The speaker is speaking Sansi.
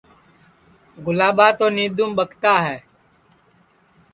گُلاٻا تو نینٚدُؔوم ٻکتا ہے